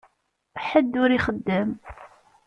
Ḥedd ur ixeddem.